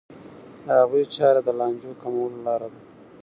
د هغوی چاره د لانجو کمولو لاره ده.